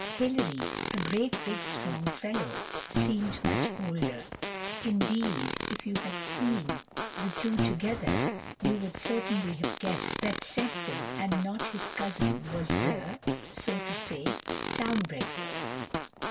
Hilary, a great big strong fellow, seemed much older; indeed if you had seen the two together you would certainly have guessed that Cecil and not his cousin was the, so to say, town bred boy.